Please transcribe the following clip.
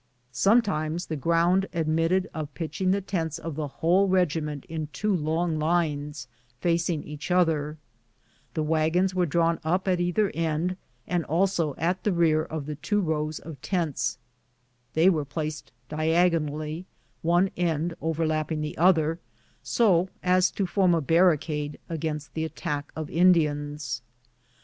Sometimes the ground admitted of pitching the tents of the whole regiment in two long lines fac ing each other; the wagons were drawn up at either end, and also at the rear of the two rows of tents; they were placed diagonally, one end overlapping the other, so as to form a barricade against tlie attack of Indians.